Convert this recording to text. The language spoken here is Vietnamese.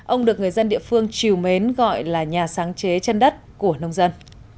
ông được người dân địa phương chiều mến gọi là nhà sáng chế chân đất của nông dân